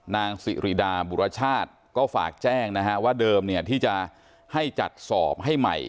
นางสิริดาบุรชาติก็ฝากแจ้งนะฮะว่าเดิมเนี่ยที่จะให้จัดสอบให้ใหม่